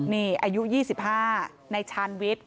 นี่อายุ๒๕ในชาญวิทย์